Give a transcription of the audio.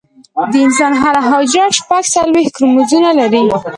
د انسان هره حجره شپږ څلوېښت کروموزومونه لري